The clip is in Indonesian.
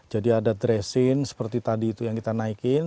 jadi ada dresin seperti tadi itu yang kita naikin